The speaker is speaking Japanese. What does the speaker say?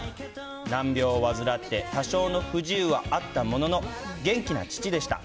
難病を患って多少の不自由はあったものの、元気な父でした。